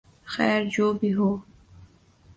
خیر جو بھی ہو